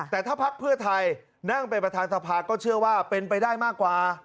แต่ถ้าพักเพื่อไทยนั่งเป็นประธานสภาก็เชื่อว่าเป็นไปได้มากกว่า